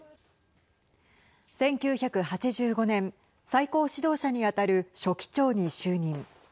１９８５年最高指導者に当たる書記長に就任。